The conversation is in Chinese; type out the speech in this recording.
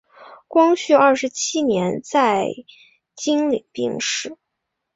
光绪二十七年在经岭病逝。